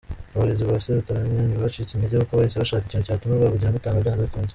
Abarezi ba Seruteganya ntibacitse intege kuko bahise bashaka ikintu cyatuma Rwabugili amutanga byanze bikunze.